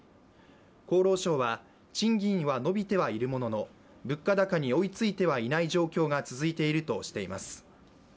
厚労省は賃金は伸びてはいるものの物価高に追いついてはいない状況が続いているとしています。